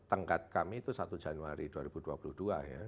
tenggat kami itu satu januari dua ribu dua puluh dua ya